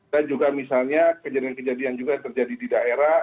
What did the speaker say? dan juga misalnya kejadian kejadian juga terjadi di daerah